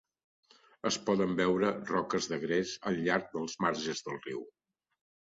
Es poden veure roques de gres al llarg dels marges del riu.